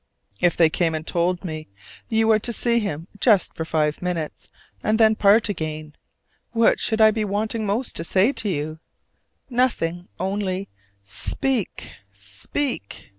If they came and told me "You are to see him just for five minutes, and then part again" what should I be wanting most to say to you? Nothing only "Speak, speak!"